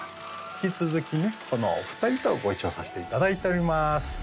引き続きねこのお二人とご一緒させていただいております